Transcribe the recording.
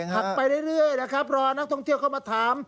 หักไปเรื่อยรอท่องเที่ยวเข้ามาถาม